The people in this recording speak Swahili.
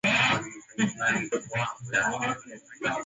ili kujadili jinsi ya kuinua uchumi wa nchini hiyo